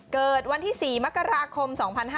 เกิดวันที่๔มกราคม๒๕๕๙